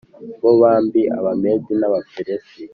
bo bami b Abamedi n Abaperesi